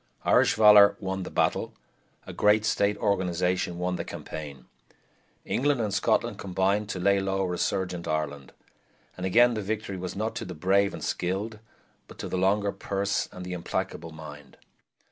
Irish valor won the battle; a great state organization won the campaign. England and Scotland combined to lay low a resurgent Ireland; and again the victory was not to the brave and skilled, but to the longer purse and the implacable mind.